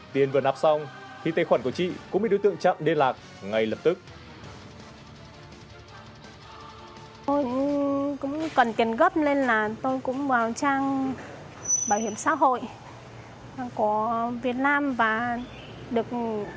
tiền vừa nạp xong thì tài khoản của chị cũng bị đối tượng chặn đê lạc ngay lập tức